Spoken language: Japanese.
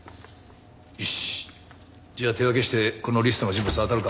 よしじゃあ手分けしてこのリストの人物あたるか。